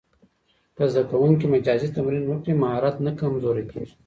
که زده کوونکی مجازي تمرین وکړي، مهارت نه کمزورې کېږي.